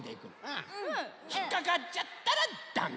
ひっかかっちゃったらだめ。